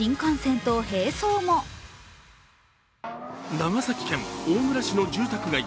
長崎県大村市の住宅街。